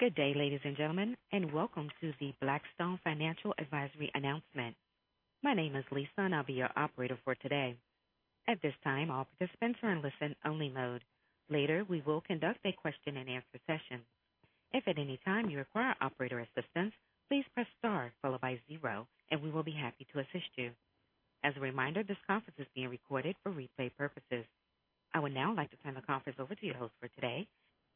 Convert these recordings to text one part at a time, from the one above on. Good day, ladies and gentlemen, and welcome to the Blackstone Financial Advisory Announcement. My name is Lisa, and I'll be your operator for today. At this time, all participants are in listen-only mode. Later, we will conduct a question-and-answer session. If at any time you require operator assistance, please press star followed by zero, and we will be happy to assist you. As a reminder, this conference is being recorded for replay purposes. I would now like to turn the conference over to your host for today,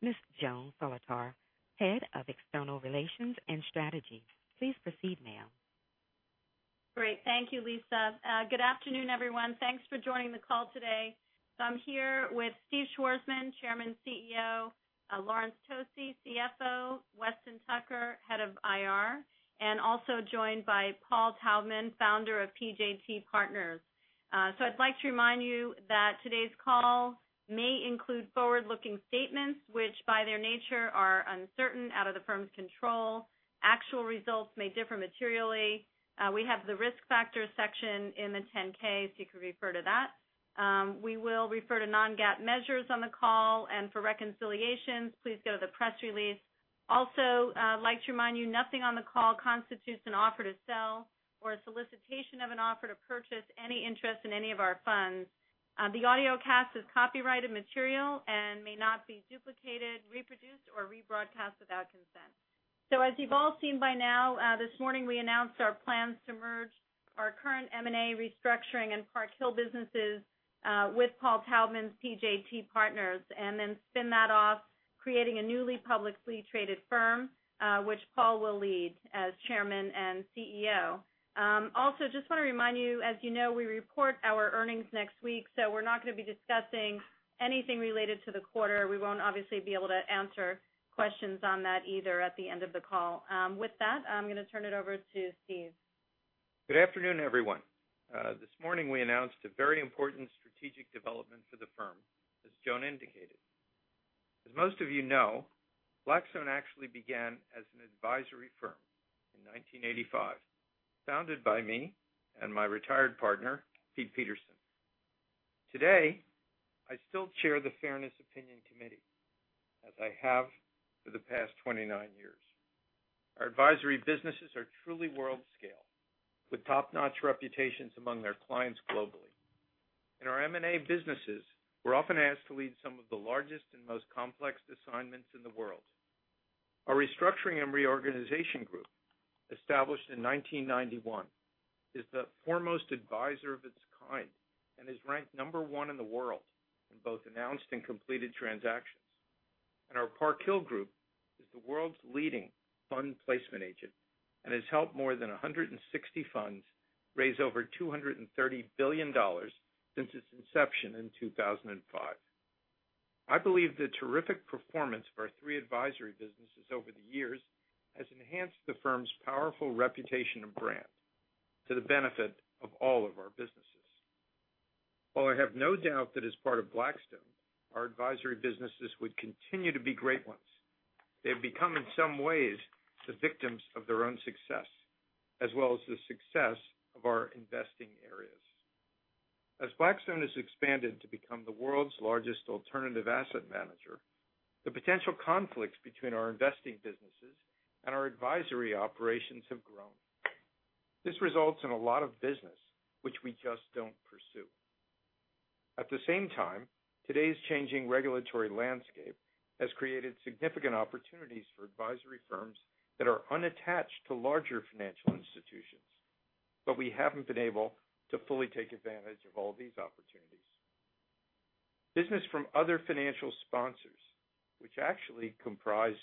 Ms. Joan Solotar, Head of External Relations and Strategy. Please proceed, ma'am. I'm here with Steve Schwarzman, Chairman, CEO, Laurence Tosi, CFO, Weston Tucker, Head of IR, and also joined by Paul Taubman, founder of PJT Partners. I'd like to remind you that today's call may include forward-looking statements, which by their nature are uncertain, out of the firm's control. Actual results may differ materially. We have the risk factors section in the 10-K, so you can refer to that. We will refer to non-GAAP measures on the call, and for reconciliations, please go to the press release. Also like to remind you, nothing on the call constitutes an offer to sell or a solicitation of an offer to purchase any interest in any of our funds. The audiocast is copyrighted material and may not be duplicated, reproduced, or rebroadcast without consent. As you've all seen by now, this morning we announced our plans to merge our current M&A restructuring and Park Hill businesses, with Paul Taubman's PJT Partners, and then spin that off, creating a newly publicly traded firm, which Paul will lead as Chairman and CEO. Also, just want to remind you, as you know, we report our earnings next week, so we're not going to be discussing anything related to the quarter. We won't obviously be able to answer questions on that either at the end of the call. With that, I'm going to turn it over to Steve. Good afternoon, everyone. This morning we announced a very important strategic development for the firm, as Joan indicated. As most of you know, Blackstone actually began as an advisory firm in 1985, founded by me and my retired partner, Pete Peterson. Today, I still chair the Fairness Opinion Committee, as I have for the past 29 years. Our advisory businesses are truly world scale, with top-notch reputations among their clients globally. In our M&A businesses, we're often asked to lead some of the largest and most complex assignments in the world. Our restructuring and reorganization group, established in 1991, is the foremost advisor of its kind and is ranked number 1 in the world in both announced and completed transactions. Our Park Hill group is the world's leading fund placement agent and has helped more than 160 funds raise over $230 billion since its inception in 2005. I believe the terrific performance of our three advisory businesses over the years has enhanced the firm's powerful reputation and brand to the benefit of all of our businesses. While I have no doubt that as part of Blackstone, our advisory businesses would continue to be great ones, they've become in some ways the victims of their own success, as well as the success of our investing areas. As Blackstone has expanded to become the world's largest alternative asset manager, the potential conflicts between our investing businesses and our advisory operations have grown. This results in a lot of business which we just don't pursue. At the same time, today's changing regulatory landscape has created significant opportunities for advisory firms that are unattached to larger financial institutions, but we haven't been able to fully take advantage of all these opportunities. Business from other financial sponsors, which actually comprised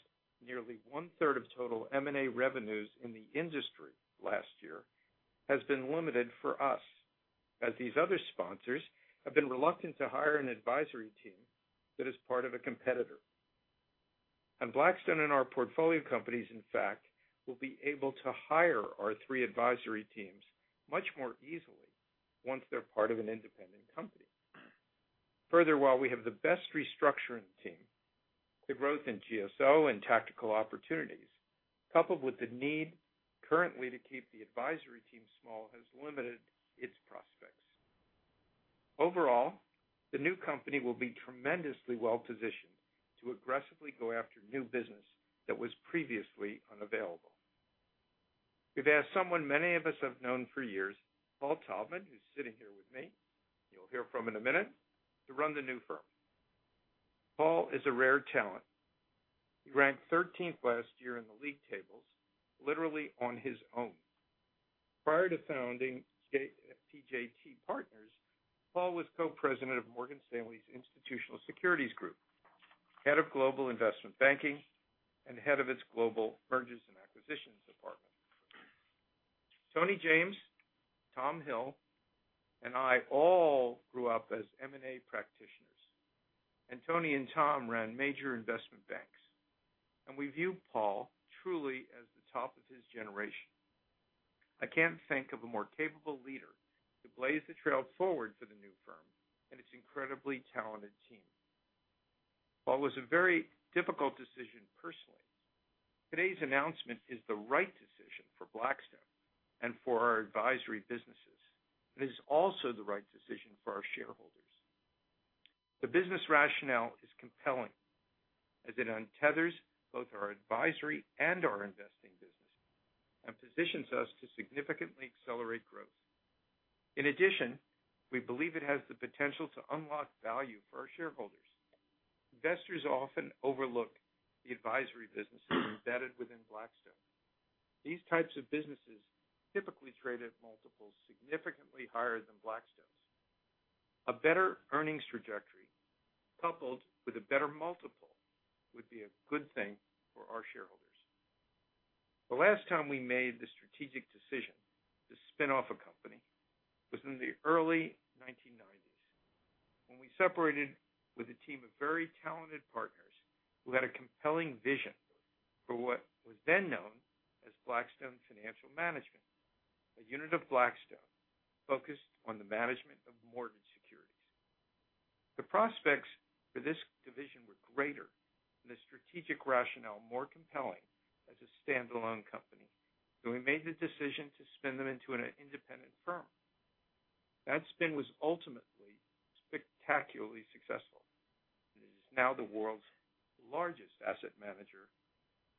nearly one-third of total M&A revenues in the industry last year, has been limited for us, as these other sponsors have been reluctant to hire an advisory team that is part of a competitor. Blackstone and our portfolio companies, in fact, will be able to hire our three advisory teams much more easily once they're part of an independent company. Furthermore, we have the best restructuring team. The growth in GSO and tactical opportunities, coupled with the need currently to keep the advisory team small, has limited its prospects. Overall, the new company will be tremendously well-positioned to aggressively go after new business that was previously unavailable. We've asked someone many of us have known for years, Paul Taubman, who's sitting here with me, you'll hear from in a minute, to run the new firm. Paul is a rare talent. He ranked 13th last year in the league tables, literally on his own. Prior to founding PJT Partners, Paul was co-president of Morgan Stanley's Institutional Securities Group, head of Global Investment Banking, and head of its Global Mergers and Acquisitions department. Tony James, Tom Hill, and I all grew up as M&A practitioners, and Tony and Tom ran major investment banks. We view Paul truly as the top of his generation. I can't think of a more capable leader to blaze the trail forward for the new firm and its incredibly talented team. While it was a very difficult decision personally, today's announcement is the right decision for Blackstone and for our advisory businesses, and it is also the right decision for our shareholders. The business rationale is compelling as it untethers both our advisory and our investing business and positions us to significantly accelerate growth. In addition, we believe it has the potential to unlock value for our shareholders. Investors often overlook the advisory businesses embedded within Blackstone. These types of businesses typically trade at multiples significantly higher than Blackstone's. A better earnings trajectory coupled with a better multiple would be a good thing for our shareholders. The last time we made the strategic decision to spin off a company was in the early 1990s, when we separated with a team of very talented partners who had a compelling vision for what was then known as Blackstone Financial Management, a unit of Blackstone focused on the management of mortgage securities. The prospects for this division were greater, and the strategic rationale more compelling as a standalone company. We made the decision to spin them into an independent firm. That spin was ultimately spectacularly successful, and it is now the world's largest asset manager,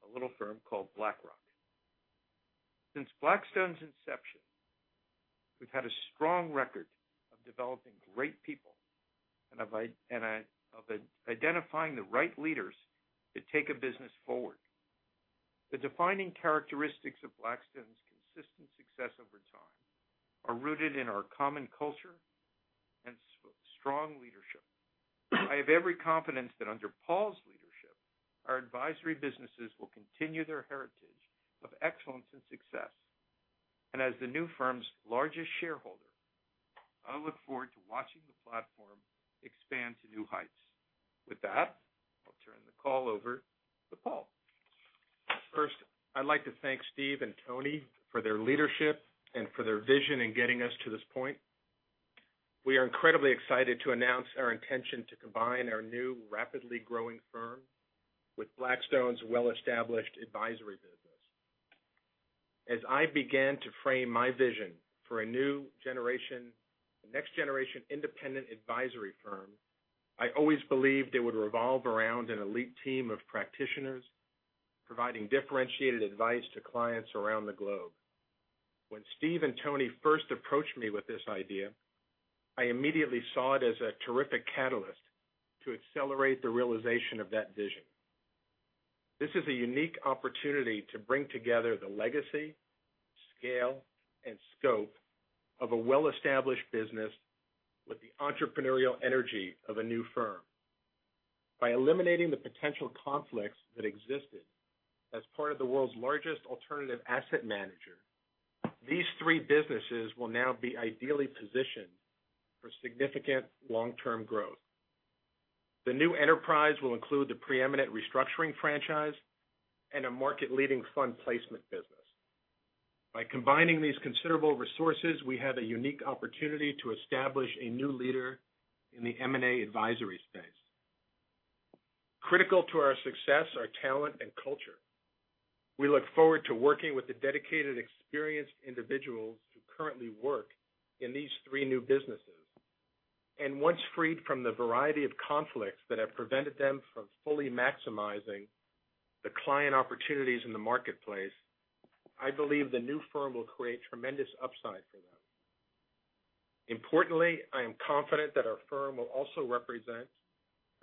a little firm called BlackRock. Since Blackstone's inception, we've had a strong record of developing great people and of identifying the right leaders to take a business forward. The defining characteristics of Blackstone's consistent success over time are rooted in our common culture and strong leadership. I have every confidence that under Paul's leadership, our advisory businesses will continue their heritage of excellence and success. As the new firm's largest shareholder, I look forward to watching the platform expand to new heights. With that, I'll turn the call over to Paul. First, I'd like to thank Steve and Tony for their leadership and for their vision in getting us to this point. We are incredibly excited to announce our intention to combine our new, rapidly growing firm with Blackstone's well-established advisory business. As I began to frame my vision for a next generation, independent advisory firm, I always believed it would revolve around an elite team of practitioners providing differentiated advice to clients around the globe. When Steve and Tony first approached me with this idea, I immediately saw it as a terrific catalyst to accelerate the realization of that vision. This is a unique opportunity to bring together the legacy, scale, and scope of a well-established business with the entrepreneurial energy of a new firm. By eliminating the potential conflicts that existed as part of the world's largest alternative asset manager, these three businesses will now be ideally positioned for significant long-term growth. The new enterprise will include the preeminent restructuring franchise and a market-leading fund placement business. By combining these considerable resources, we have a unique opportunity to establish a new leader in the M&A advisory space. Critical to our success are talent and culture. We look forward to working with the dedicated, experienced individuals who currently work in these three new businesses. Once freed from the variety of conflicts that have prevented them from fully maximizing the client opportunities in the marketplace, I believe the new firm will create tremendous upside for them. Importantly, I am confident that our firm will also represent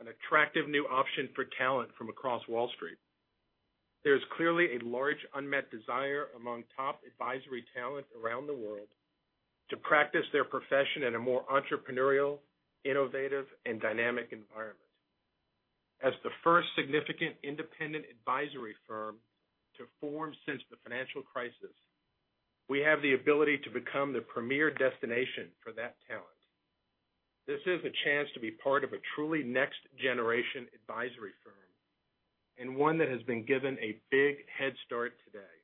an attractive new option for talent from across Wall Street. There is clearly a large unmet desire among top advisory talent around the world to practice their profession in a more entrepreneurial, innovative, and dynamic environment. As the first significant independent advisory firm to form since the financial crisis, we have the ability to become the premier destination for that talent. This is a chance to be part of a truly next-generation advisory firm, and one that has been given a big head start today.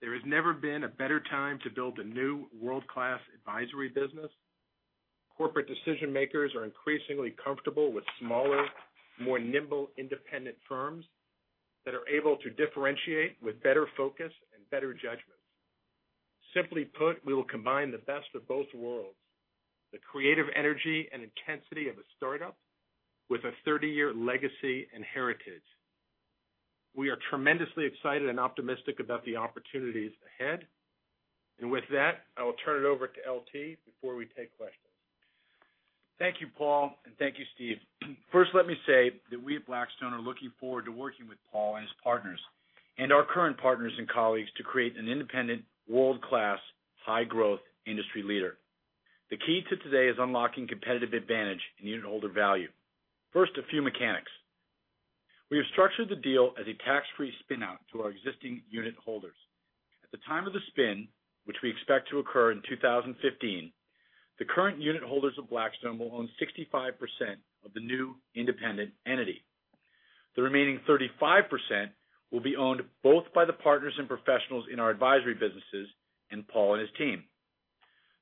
There has never been a better time to build a new world-class advisory business. Corporate decision-makers are increasingly comfortable with smaller, more nimble, independent firms that are able to differentiate with better focus and better judgments. Simply put, we will combine the best of both worlds, the creative energy and intensity of a startup with a 30-year legacy and heritage. We are tremendously excited and optimistic about the opportunities ahead. With that, I will turn it over to LT before we take questions. Thank you, Paul, and thank you, Steve. First, let me say that we at Blackstone are looking forward to working with Paul and his partners, and our current partners and colleagues to create an independent, world-class, high-growth industry leader. The key to today is unlocking competitive advantage and unitholder value. First, a few mechanics. We have structured the deal as a tax-free spin-out to our existing unitholders. At the time of the spin, which we expect to occur in 2015, the current unitholders of Blackstone will own 65% of the new independent entity. The remaining 35% will be owned both by the partners and professionals in our advisory businesses and Paul and his team.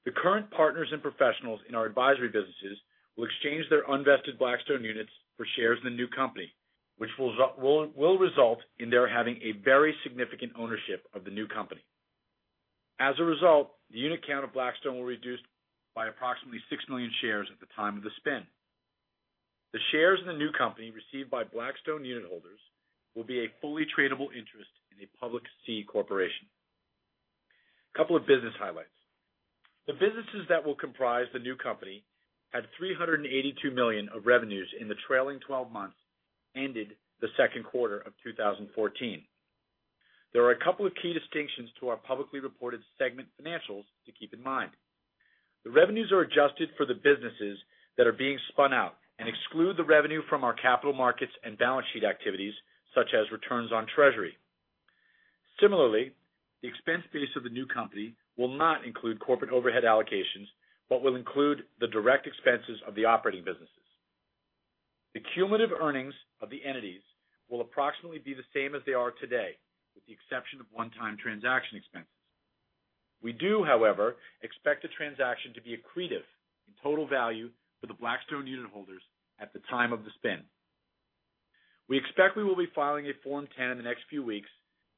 The current partners and professionals in our advisory businesses will exchange their unvested Blackstone units for shares in the new company, which will result in their having a very significant ownership of the new company. As a result, the unit count of Blackstone will reduce by approximately six million shares at the time of the spin. The shares in the new company received by Blackstone unit holders will be a fully tradable interest in a public C corporation. Couple of business highlights. The businesses that will comprise the new company had $382 million of revenues in the trailing 12 months ended the second quarter of 2014. There are a couple of key distinctions to our publicly reported segment financials to keep in mind. The revenues are adjusted for the businesses that are being spun out and exclude the revenue from our capital markets and balance sheet activities, such as returns on treasury. Similarly, the expense base of the new company will not include corporate overhead allocations, but will include the direct expenses of the operating businesses. The cumulative earnings of the entities will approximately be the same as they are today, with the exception of one-time transaction expenses. We do, however, expect the transaction to be accretive in total value for the Blackstone unit holders at the time of the spin. We expect we will be filing a Form 10 in the next few weeks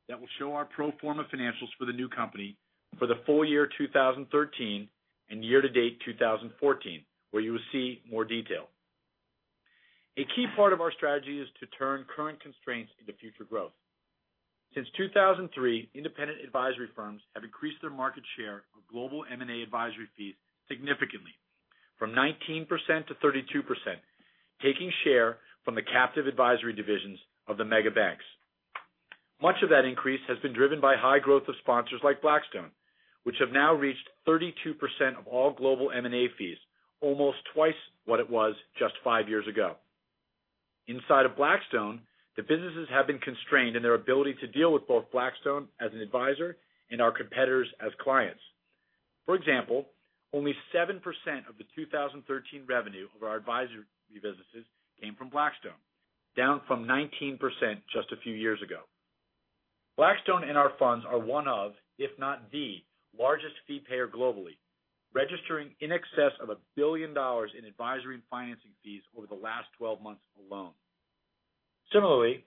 that will show our pro forma financials for the new company for the full year 2013 and year to date 2014, where you will see more detail. A key part of our strategy is to turn current constraints into future growth. Since 2003, independent advisory firms have increased their market share of global M&A advisory fees significantly, from 19% to 32%, taking share from the captive advisory divisions of the mega banks. Much of that increase has been driven by high growth of sponsors like Blackstone, which have now reached 32% of all global M&A fees, almost twice what it was just five years ago. Inside of Blackstone, the businesses have been constrained in their ability to deal with both Blackstone as an advisor and our competitors as clients. For example, only 7% of the 2013 revenue of our advisory businesses came from Blackstone, down from 19% just a few years ago. Blackstone and our funds are one of, if not the, largest fee payer globally, registering in excess of $1 billion in advisory and financing fees over the last 12 months alone. Similarly,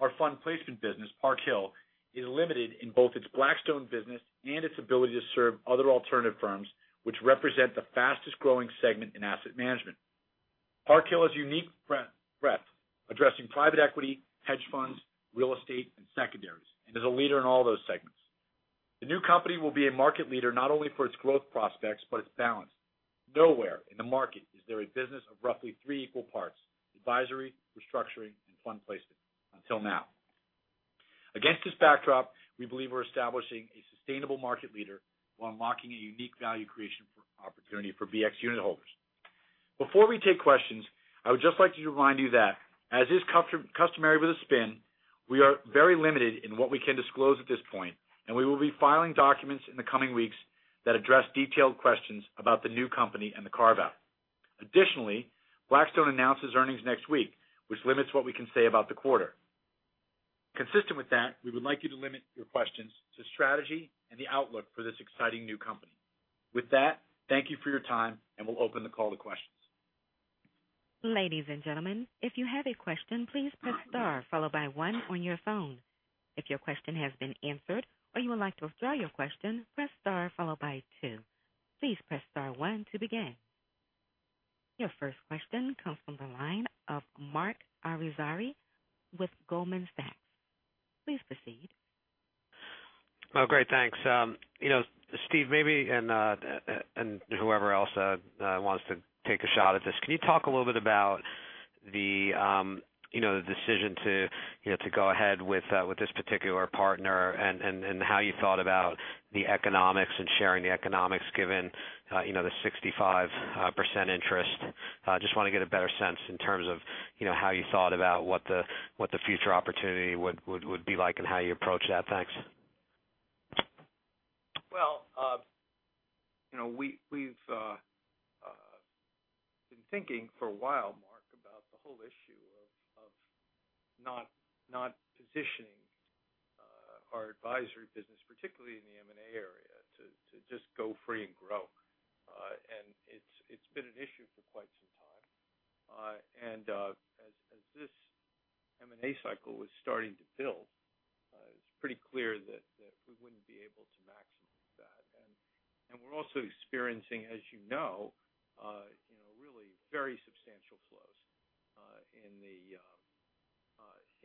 our fund placement business, Park Hill, is limited in both its Blackstone business and its ability to serve other alternative firms, which represent the fastest growing segment in asset management. Park Hill has unique breadth, addressing private equity, hedge funds, real estate, and secondaries, and is a leader in all those segments. The new company will be a market leader, not only for its growth prospects, but its balance. Nowhere in the market is there a business of roughly three equal parts, advisory, restructuring, and fund placement, until now. Against this backdrop, we believe we're establishing a sustainable market leader while unlocking a unique value creation opportunity for BX unit holders. Before we take questions, I would just like to remind you that as is customary with a spin, we are very limited in what we can disclose at this point, and we will be filing documents in the coming weeks that address detailed questions about the new company and the carve-out. Additionally, Blackstone announces earnings next week, which limits what we can say about the quarter. Consistent with that, we would like you to limit your questions to strategy and the outlook for this exciting new company. With that, thank you for your time, and we'll open the call to questions. Ladies and gentlemen, if you have a question, please press star followed by one on your phone. If your question has been answered or you would like to withdraw your question, press star followed by two. Please press star one to begin. Your first question comes from the line of Marc Irizarry with Goldman Sachs. Please proceed. Oh, great. Thanks. Steve, maybe, and whoever else wants to take a shot at this, can you talk a little bit about the decision to go ahead with this particular partner and how you thought about the economics and sharing the economics given the 65% interest? Just want to get a better sense in terms of how you thought about what the future opportunity would be like and how you approach that. Thanks. Well, we've been thinking for a while, Marc, about the whole issue of not positioning our advisory business, particularly in the M&A area, to just go free and grow. It's been an issue for quite some time. As this M&A cycle was starting to build, it's pretty clear that we wouldn't be able to maximize that. We're also experiencing, as you know, really very substantial flows in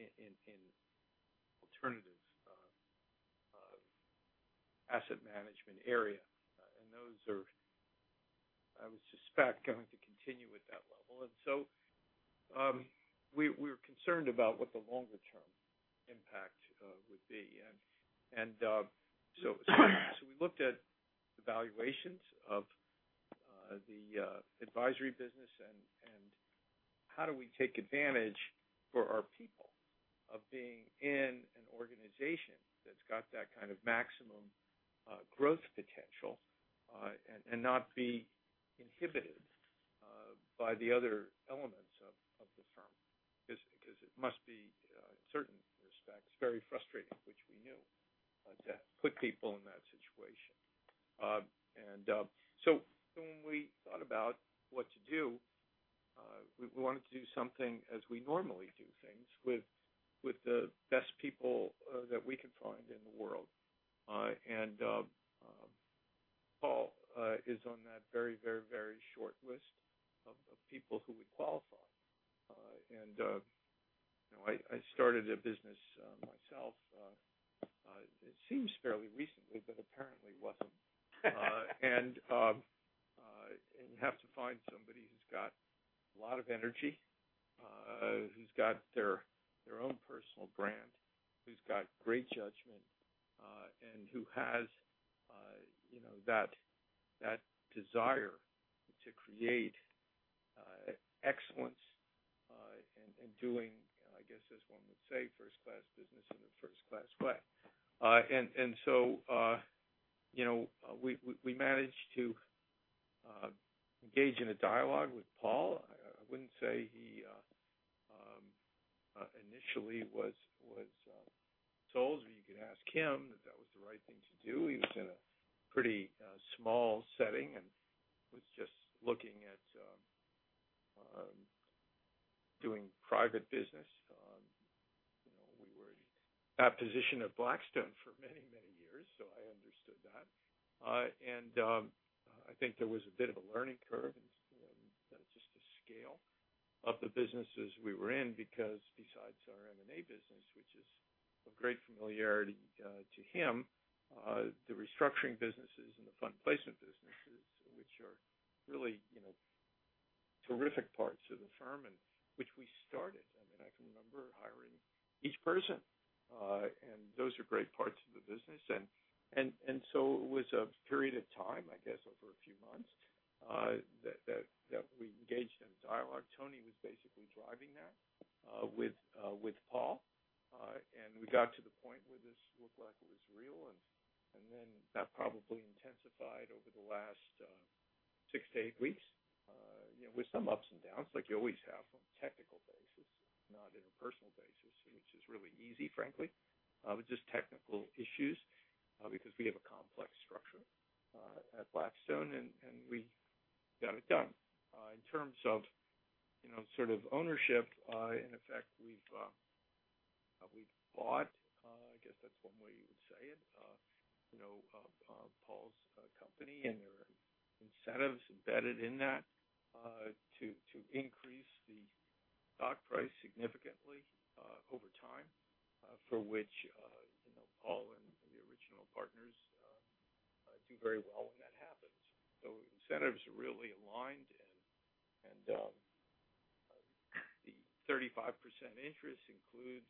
alternatives asset management area. Those are, I would suspect, going to continue at that level. So we're concerned about what the longer term impact would be. So we looked at the valuations of the advisory business and how do we take advantage for our people of being in an organization that's got that kind of maximum growth potential, and not be inhibited by the other elements of the firm. Because it must be, in certain respects, very frustrating, which we knew, to put people in that situation. So when we thought about what to do We wanted to do something as we normally do things, with the best people that we can find in the world. Paul is on that very short list of people who would qualify. I started a business myself, it seems fairly recently, but apparently it wasn't. You have to find somebody who's got a lot of energy, who's got their own personal brand, who's got great judgment, and who has that desire to create excellence in doing, I guess as one would say, first-class business in a first-class way. We managed to engage in a dialogue with Paul. I wouldn't say he initially was told, or you could ask him, that that was the right thing to do. He was in a pretty small setting and was just looking at doing private business. We were in that position at Blackstone for many years, so I understood that. I think there was a bit of a learning curve in just the scale of the businesses we were in because besides our M&A business, which is of great familiarity to him, the restructuring businesses and the fund placement businesses, which are really terrific parts of the firm and which we started. I can remember hiring each person. Those are great parts of the business. It was a period of time, I guess, over a few months, that we engaged in a dialogue. Tony was basically driving that with Paul. We got to the point where this looked like it was real, then that probably intensified over the last six to eight weeks, with some ups and downs like you always have from a technical basis, not interpersonal basis, which is really easy, frankly. It was just technical issues, because we have a complex structure at Blackstone, and we got it done. In terms of sort of ownership, in effect, we've bought, I guess that's one way you would say it, Paul's company, and there are incentives embedded in that to increase the stock price significantly over time, for which Paul and the original partners do very well when that happens. Incentives are really aligned, and the 35% interest includes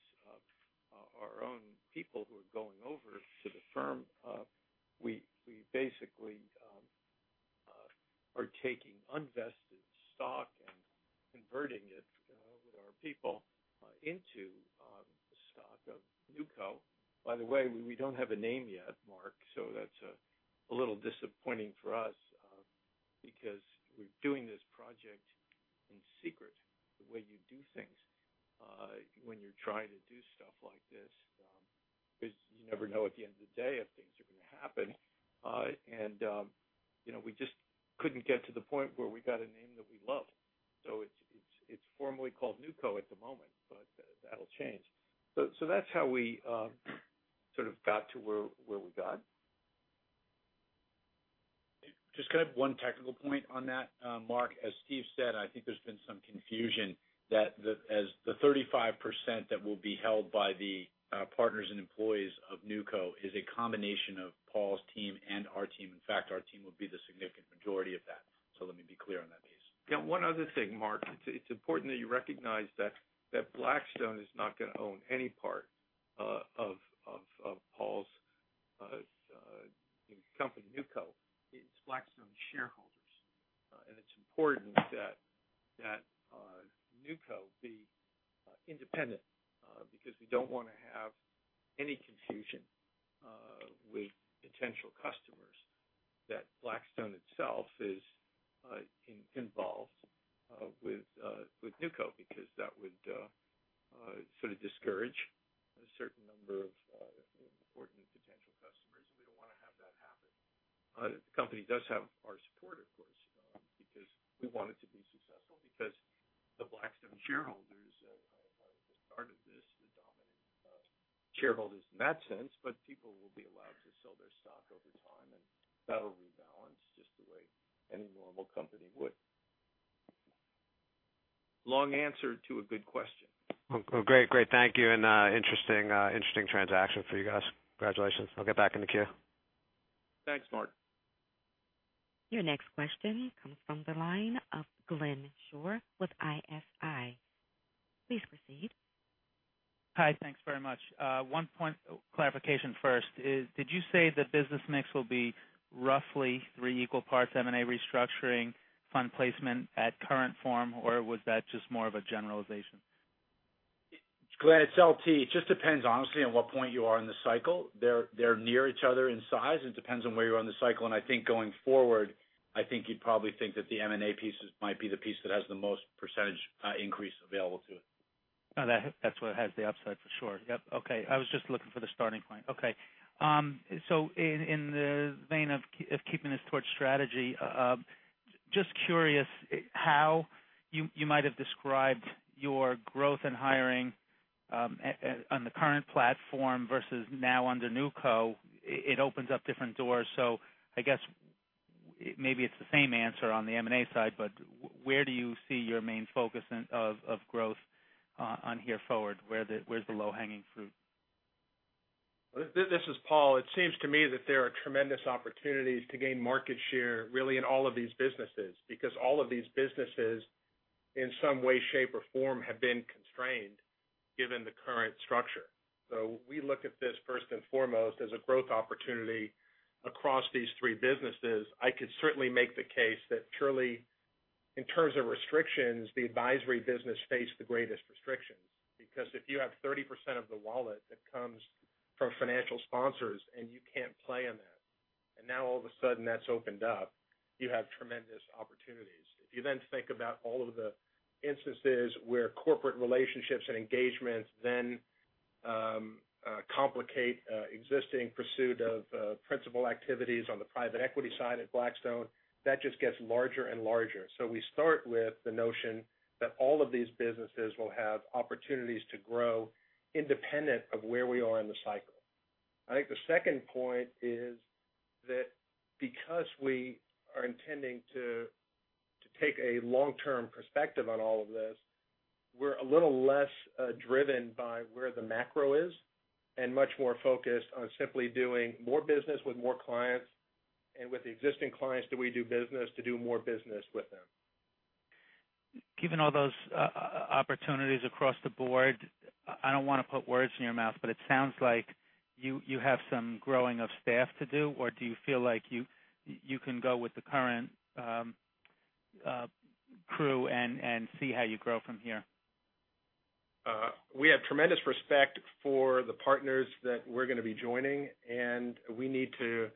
our own people who are going over to the firm. We basically are taking unvested stock and converting it with our people into the stock of NewCo. By the way, we don't have a name yet, Marc, so that's a little disappointing for us, because we're doing this project in secret. The way you do things when you're trying to do stuff like this is you never know at the end of the day if things are going to happen. We just couldn't get to the point where we got a name that we loved. It's formally called NewCo at the moment, but that'll change. That's how we sort of got to where we got. Just kind of one technical point on that, Marc. As Steve said, I think there's been some confusion that as the 35% that will be held by the partners and employees of NewCo is a combination of Paul's team and our team. In fact, our team will be the significant majority of that. Let me be clear on that base. One other thing, Marc. It's important that you recognize that Blackstone is not going to own any part of Paul's company, NewCo. It's Blackstone shareholders. It's important that NewCo be independent because we don't want to have any confusion with potential customers that Blackstone itself is involved with NewCo because that would sort of discourage a certain number of important potential customers. We don't want to have that happen. The company does have our support, of course, because we want it to be successful because the Blackstone shareholders are, as part of this, the dominant shareholders in that sense, but people will be allowed to sell their stock over time, and that'll rebalance just the way any normal company would. Long answer to a good question. Great. Thank you. Interesting transaction for you guys. Congratulations. I'll get back in the queue. Thanks, Marc. Your next question comes from the line of Glenn Schorr with ISI. Please proceed. Hi. Thanks very much. One point of clarification first is, did you say the business mix will be roughly three equal parts M&A restructuring, fund placement at current form, or was that just more of a generalization? Glenn, it's LT. It just depends, honestly, on what point you are in the cycle. They're near each other in size. It depends on where you are in the cycle, I think going forward, I think you'd probably think that the M&A pieces might be the piece that has the most percentage increase available to it. That's what has the upside for sure. Yep. Okay. I was just looking for the starting point. Okay. In the vein of keeping this towards strategy, just curious how you might have described your growth in hiring on the current platform versus now under NewCo. It opens up different doors. I guess maybe it's the same answer on the M&A side, but where do you see your main focus of growth on here forward? Where's the low-hanging fruit? This is Paul. It seems to me that there are tremendous opportunities to gain market share, really in all of these businesses, because all of these businesses, in some way, shape, or form, have been constrained given the current structure. We look at this first and foremost as a growth opportunity across these three businesses. I could certainly make the case that truly, in terms of restrictions, the advisory business faced the greatest restrictions. If you have 30% of the wallet that comes from financial sponsors and you can't play in that, and now all of a sudden that's opened up, you have tremendous opportunities. If you think about all of the instances where corporate relationships and engagements then complicate existing pursuit of principal activities on the private equity side at Blackstone, that just gets larger and larger. We start with the notion that all of these businesses will have opportunities to grow independent of where we are in the cycle. The second point is that because we are intending to take a long-term perspective on all of this, we're a little less driven by where the macro is and much more focused on simply doing more business with more clients and with existing clients that we do business to do more business with them. Given all those opportunities across the board, it sounds like you have some growing of staff to do, or do you feel like you can go with the current crew and see how you grow from here? We have tremendous respect for the partners that we're going to be joining, and we need to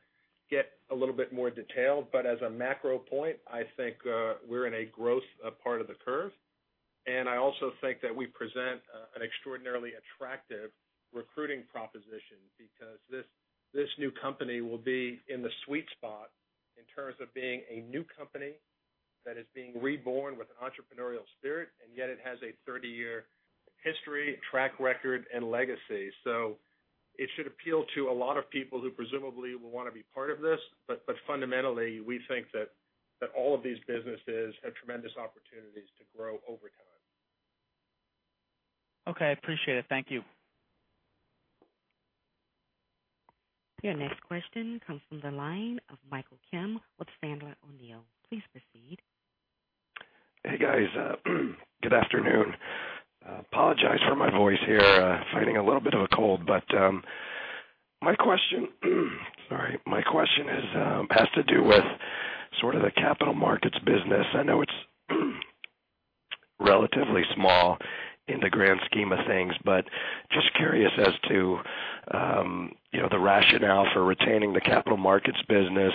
get a little bit more detail. As a macro point, I think we're in a growth part of the curve. I also think that we present an extraordinarily attractive recruiting proposition because this new company will be in the sweet spot in terms of being a new company that is being reborn with an entrepreneurial spirit, and yet it has a 30-year history, track record, and legacy. It should appeal to a lot of people who presumably will want to be part of this. Fundamentally, we think that all of these businesses have tremendous opportunities to grow over time. Okay. I appreciate it. Thank you. Your next question comes from the line of Michael Kim with Sandler O'Neill. Please proceed. Hey, guys. Good afternoon. Apologize for my voice here. Fighting a little bit of a cold. My question has to do with sort of the capital markets business. I know it's relatively small in the grand scheme of things, but just curious as to the rationale for retaining the capital markets business.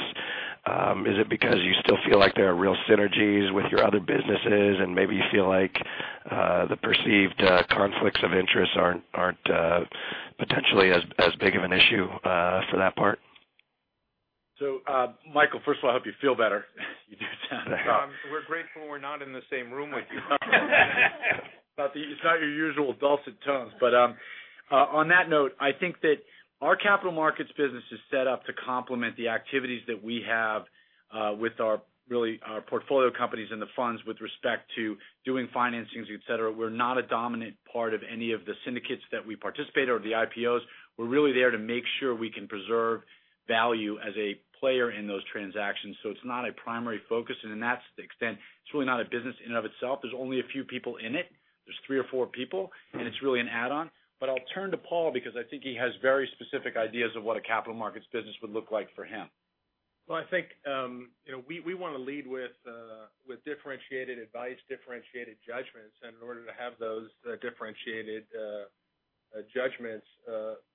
Is it because you still feel like there are real synergies with your other businesses and maybe you feel like the perceived conflicts of interest aren't potentially as big of an issue for that part? Michael, first of all, I hope you feel better. You do sound We're grateful we're not in the same room with you. It's not your usual dulcet tones. On that note, I think that our capital markets business is set up to complement the activities that we have with our, really, our portfolio companies and the funds with respect to doing financings, et cetera. We're not a dominant part of any of the syndicates that we participate or the IPOs. We're really there to make sure we can preserve value as a player in those transactions. It's not a primary focus, and to that extent, it's really not a business in and of itself. There's only a few people in it. There's three or four people, and it's really an add-on. I'll turn to Paul because I think he has very specific ideas of what a capital markets business would look like for him. Well, I think we want to lead with differentiated advice, differentiated judgments. In order to have those differentiated judgments,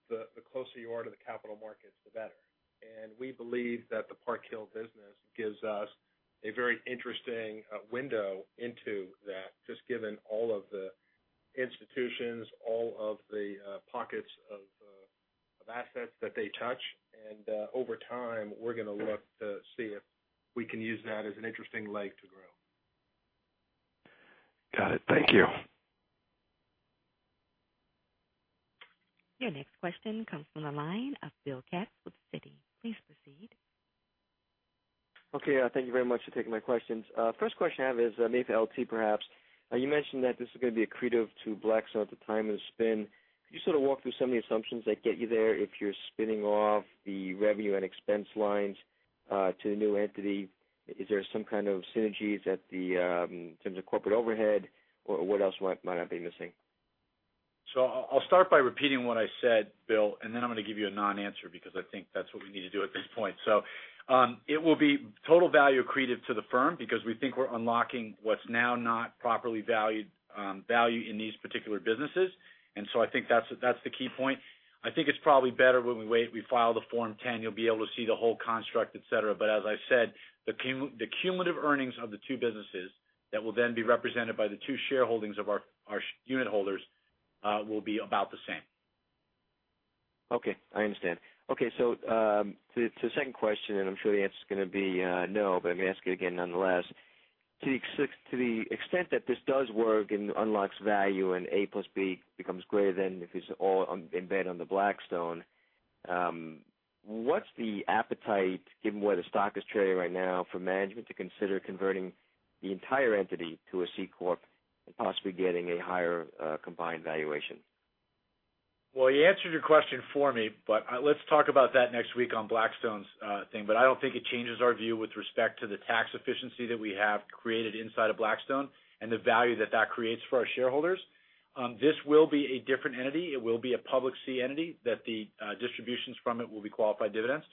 the closer you are to the capital markets, the better. We believe that the Park Hill business gives us a very interesting window into that, just given all of the institutions, all of the pockets of assets that they touch. Over time, we're going to look to see if we can use that as an interesting leg to grow. Got it. Thank you. Your next question comes from the line of William Katz with Citigroup. Please proceed. Okay. Thank you very much for taking my questions. First question I have is maybe for LT perhaps. You mentioned that this is going to be accretive to Blackstone at the time of the spin. Could you sort of walk through some of the assumptions that get you there if you're spinning off the revenue and expense lines to the new entity? Is there some kind of synergies in terms of corporate overhead? What else might I be missing? I'll start by repeating what I said, Bill, and then I'm going to give you a non-answer because I think that's what we need to do at this point. It will be total value accretive to the firm because we think we're unlocking what's now not properly valued value in these particular businesses. I think that's the key point. I think it's probably better when we wait, we file the Form 10, you'll be able to see the whole construct, et cetera. As I said, the cumulative earnings of the two businesses that will then be represented by the two shareholdings of our unit holders will be about the same. Okay. I understand. Okay, the second question, and I'm sure the answer's going to be no, but I'm going to ask it again nonetheless. To the extent that this does work and unlocks value and A plus B becomes greater than if it's all embed on the Blackstone, what's the appetite, given where the stock is trading right now, for management to consider converting the entire entity to a C corp and possibly getting a higher combined valuation? You answered your question for me, let's talk about that next week on Blackstone's thing. I don't think it changes our view with respect to the tax efficiency that we have created inside of Blackstone and the value that that creates for our shareholders. This will be a different entity. It will be a public C entity that the distributions from it will be qualified dividends.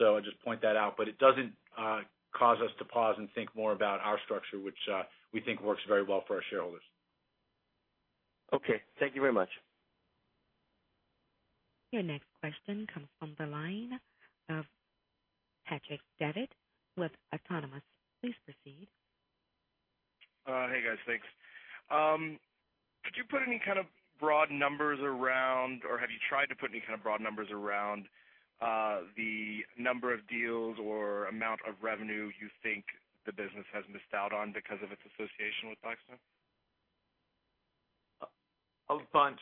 I just point that out, it doesn't cause us to pause and think more about our structure, which we think works very well for our shareholders. Thank you very much. Your next question comes from the line of Patrick Davitt with Autonomous. Please proceed. Hey, guys. Thanks. Could you put any kind of broad numbers around, or have you tried to put any kind of broad numbers around the number of deals or amount of revenue you think the business has missed out on because of its association with Blackstone? A bunch.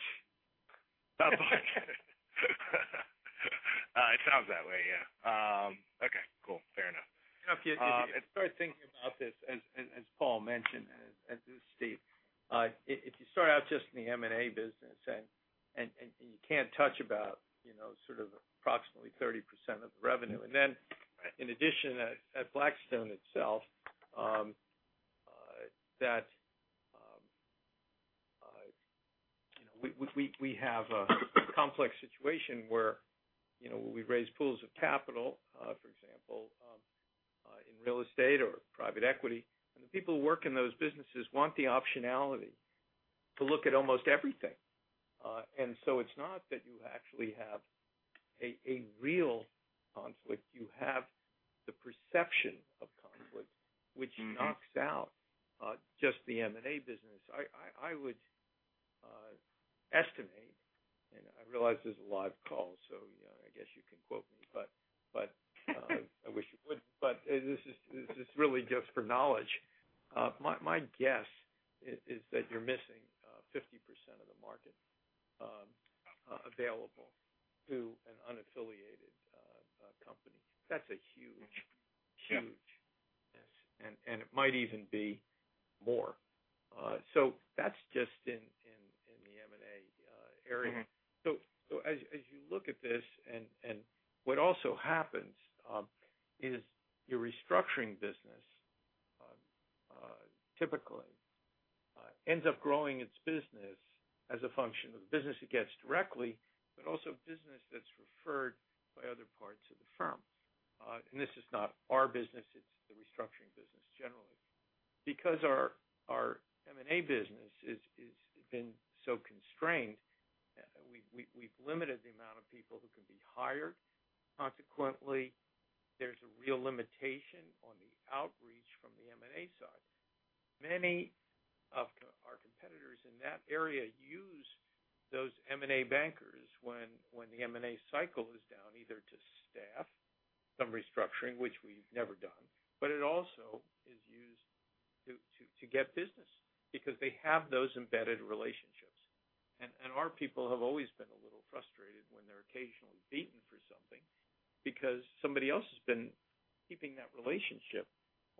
A bunch. It sounds that way, yeah. Okay, cool. Fair enough. If you start thinking about this, as Paul mentioned, and as does Steve, if you start out just in the M&A business and you can't touch about sort of approximately 30% of the revenue. Right In addition, at Blackstone itself, that we have a complex situation where we raise pools of capital, for example, in real estate or private equity. The people who work in those businesses want the optionality to look at almost everything. It's not that you actually have a real conflict. You have the perception of conflict. which knocks out just the M&A business. I would estimate, and I realize this is a live call, I guess you can quote me, I wish you wouldn't, this is really just for knowledge. My guess is that you're missing 50% of the market available to an unaffiliated company. Yeah That's a huge miss, and it might even be more. That's just in the M&A area. As you look at this and what also happens is your restructuring business typically ends up growing its business as a function of the business it gets directly, but also business that's referred by other parts of the firm. This is not our business, it's the restructuring business generally. Because our M&A business has been so constrained, we've limited the amount of people who can be hired. Consequently, there's a real limitation on the outreach from the M&A side. Many of our competitors in that area use those M&A bankers when the M&A cycle is down, either to staff some restructuring, which we've never done. It also is used to get business because they have those embedded relationships. Our people have always been a little frustrated when they're occasionally beaten for something because somebody else has been keeping that relationship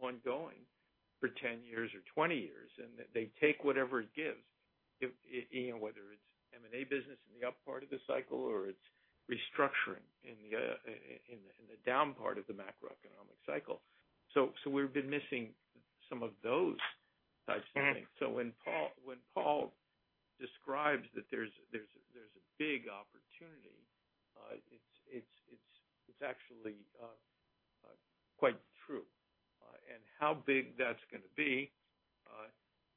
ongoing for 10 years or 20 years, and they take whatever it gives, whether it's M&A business in the up part of the cycle or it's restructuring in the down part of the macroeconomic cycle. We've been missing some of those types of things. When Paul describes that there's a big opportunity, it's actually quite true. How big that's going to be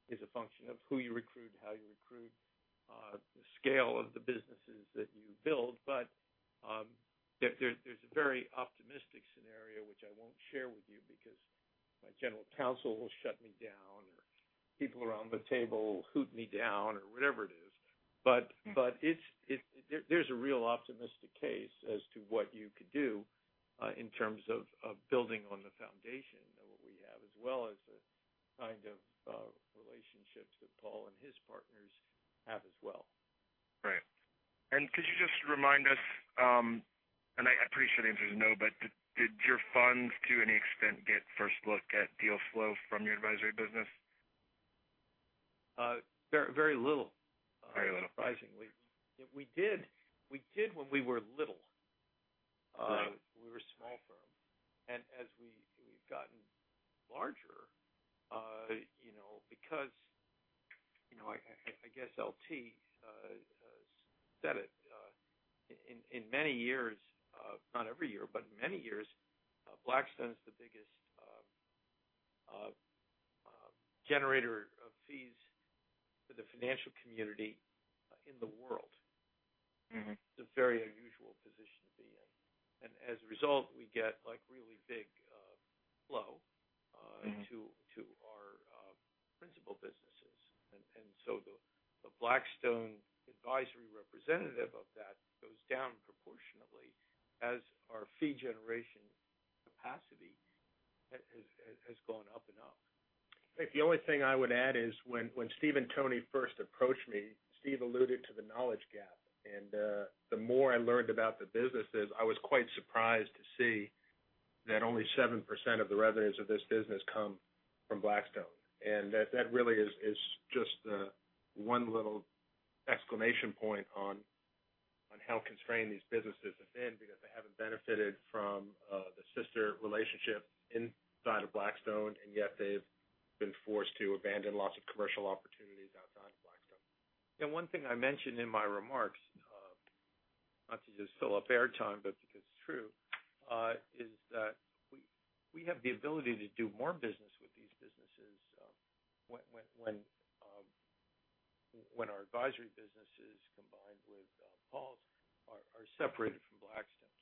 is a function of who you recruit, how you recruit, the scale of the businesses that you build. There's a very optimistic scenario, which I won't share with you because my general counsel will shut me down, or people around the table will hoot me down or whatever it is. There's a real optimistic case as to what you could do in terms of building on the foundation of what we have, as well as the kind of relationships that Paul and his partners have as well. Right. Could you just remind us, and I appreciate the answer is no, but did your funds, to any extent, get first look at deal flow from your advisory business? Very little. Very little. Surprisingly. We did when we were little. Right. We were a small firm. As we've gotten larger, because I guess LT said it, in many years, not every year, but in many years, Blackstone is the biggest Generator of fees for the financial community in the world. It's a very unusual position to be in. As a result, we get really big flow-. to our principal businesses. The Blackstone advisory representative of that goes down proportionately as our fee generation capacity has gone up and up. I think the only thing I would add is when Steve and Tony first approached me, Steve alluded to the knowledge gap. The more I learned about the businesses, I was quite surprised to see that only 7% of the revenues of this business come from Blackstone. That really is just the one little exclamation point on how constrained these businesses have been because they haven't benefited from the sister relationship inside of Blackstone, yet they've been forced to abandon lots of commercial opportunities outside of Blackstone. One thing I mentioned in my remarks, not to just fill up air time, but because it's true, is that we have the ability to do more business with these businesses when our advisory businesses, combined with Paul's, are separated from Blackstone.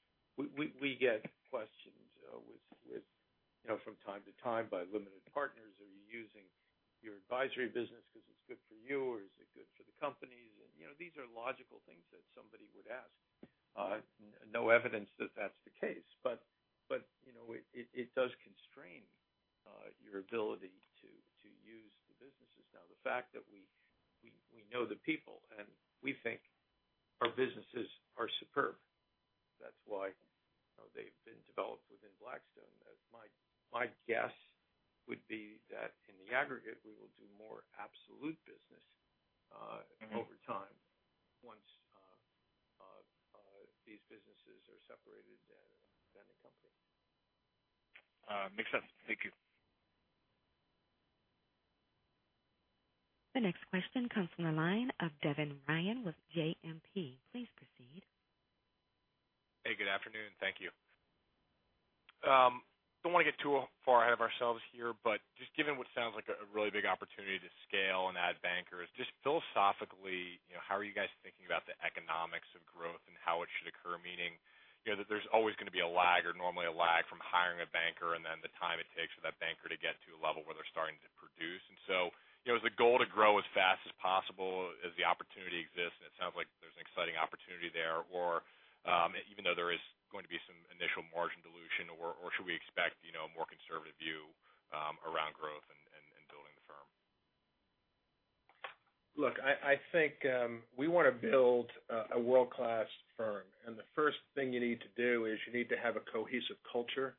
We get questions from time to time by limited partners. "Are you using your advisory business because it's good for you? Or is it good for the companies?" These are logical things that somebody would ask. No evidence that that's the case. It does constrain your ability to use the businesses. The fact that we know the people, and we think our businesses are superb, that's why they've been developed within Blackstone. My guess would be that in the aggregate, we will do more absolute business over time once these businesses are separated than the company. Makes sense. Thank you. The next question comes from the line of Devin Ryan with JMP. Please proceed. Hey, good afternoon. Thank you. Don't want to get too far ahead of ourselves here, but just given what sounds like a really big opportunity to scale and add bankers, just philosophically, how are you guys thinking about the economics of growth and how it should occur? Meaning that there's always going to be a lag, or normally a lag, from hiring a banker, and then the time it takes for that banker to get to a level where they're starting to produce. Is the goal to grow as fast as possible as the opportunity exists, and it sounds like there's an exciting opportunity there, even though there is going to be some initial margin dilution? Or should we expect a more conservative view around growth and building the firm? Look, I think we want to build a world-class firm. The first thing you need to do is you need to have a cohesive culture,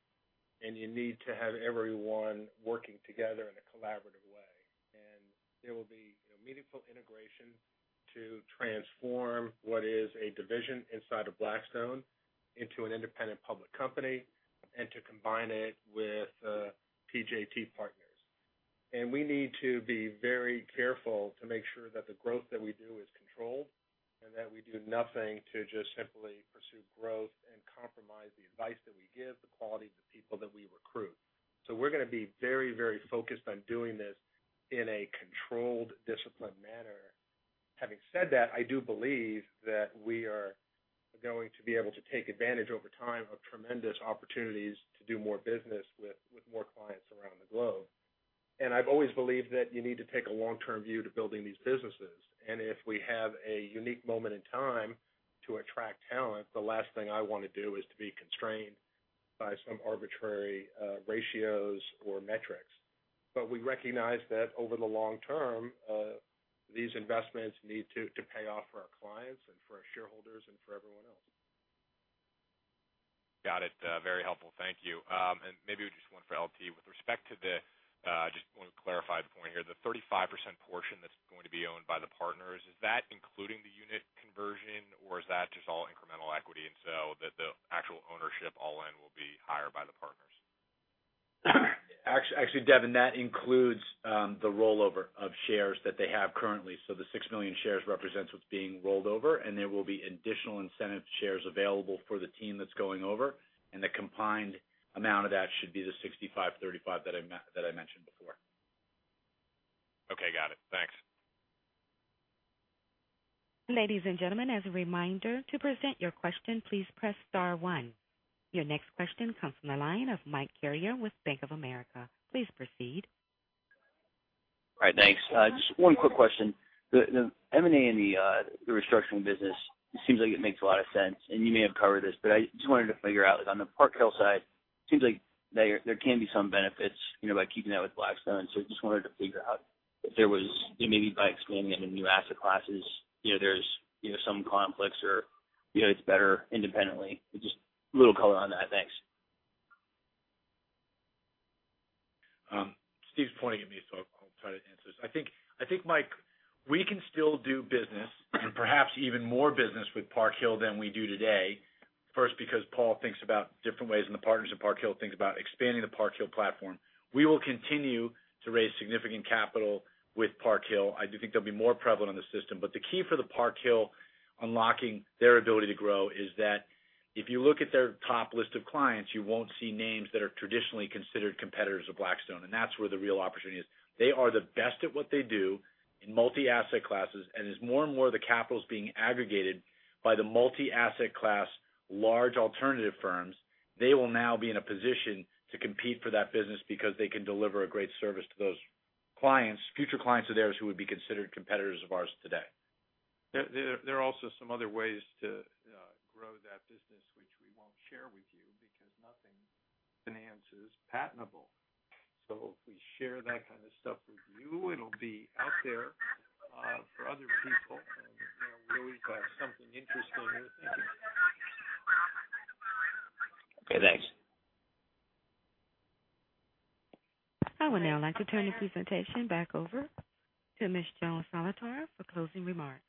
and you need to have everyone working together in a collaborative way. There will be meaningful integration to transform what is a division inside of Blackstone into an independent public company, and to combine it with PJT Partners. We need to be very careful to make sure that the growth that we do is controlled, and that we do nothing to just simply pursue growth and compromise the advice that we give, the quality of the people that we recruit. We're going to be very focused on doing this in a controlled, disciplined manner. Having said that, I do believe that we are going to be able to take advantage over time of tremendous opportunities to do more business with more clients around the globe. I've always believed that you need to take a long-term view to building these businesses. If we have a unique moment in time to attract talent, the last thing I want to do is to be constrained by some arbitrary ratios or metrics. We recognize that over the long term, these investments need to pay off for our clients and for our shareholders and for everyone else. Got it. Very helpful. Thank you. Maybe just one for LT. With respect to the, just want to clarify the point here, the 35% portion that's going to be owned by the partners, is that including the unit conversion, or is that just all incremental equity, and so that the actual ownership all-in will be higher by the partners? Actually, Devin, that includes the rollover of shares that they have currently. The 6 million shares represents what's being rolled over, there will be additional incentive shares available for the team that's going over. The combined amount of that should be the 65, 35 that I mentioned before. Okay, got it. Thanks. Ladies and gentlemen, as a reminder, to present your question, please press star 1. Your next question comes from the line of Michael Carrier with Bank of America. Please proceed. All right, thanks. Just one quick question. The M&A and the restructuring business, it seems like it makes a lot of sense, and you may have covered this, I just wanted to figure out, on the Park Hill side, it seems like there can be some benefits by keeping that with Blackstone. I just wanted to figure out if there was, maybe by expanding into new asset classes, there's some conflicts or it's better independently. Just a little color on that. Thanks. Steve's pointing at me, I'll try to answer this. I think, Mike, we can still do business, and perhaps even more business with Park Hill than we do today. First, because Paul thinks about different ways, and the partners at Park Hill think about expanding the Park Hill platform. We will continue to raise significant capital with Park Hill. I do think they'll be more prevalent on the system. The key for the Park Hill unlocking their ability to grow is that if you look at their top list of clients, you won't see names that are traditionally considered competitors of Blackstone, and that's where the real opportunity is. They are the best at what they do in multi-asset classes, as more and more of the capital's being aggregated by the multi-asset class large alternative firms, they will now be in a position to compete for that business because they can deliver a great service to those future clients of theirs who would be considered competitors of ours today. There are also some other ways to grow that business, which we won't share with you because nothing finances patentable. If we share that kind of stuff with you, it'll be out there for other people, and where we've got something interesting. Okay, thanks. I would now like to turn this presentation back over to Joan Solotar for closing remarks.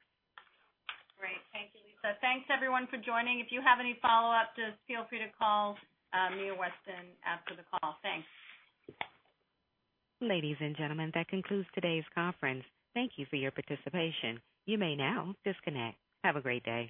Great. Thank you, Lisa. Thanks everyone for joining. If you have any follow-up, just feel free to call Mia Weston after the call. Thanks. Ladies and gentlemen, that concludes today's conference. Thank you for your participation. You may now disconnect. Have a great day.